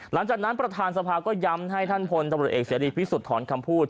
หลังจากนั้นประธานสภาก็ย้ำให้ท่านพลตำรวจเอกเสรีพิสุทธิ์ถอนคำพูด